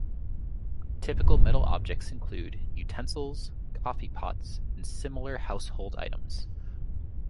Typical metal objects include utensils, coffee pots, and similar household items.